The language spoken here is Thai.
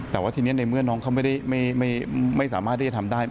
แต่ว่าทีนี้ในเมื่อน้องเขาไม่สามารถที่จะทำได้